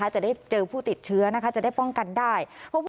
จะได้เจอผู้ติดเชื้อจะได้ป้องกันได้